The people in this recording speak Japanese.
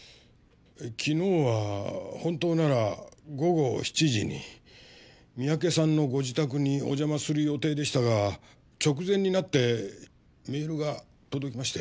昨日は本当なら午後７時に三宅さんのご自宅にお邪魔する予定でしたが直前になってメールが届きまして。